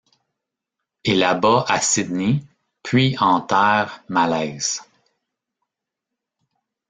Et là-bas à Sydney, puis en terre malaise.